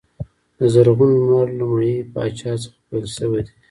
د زرغون لمر لومړي پاچا څخه پیل شوی دی.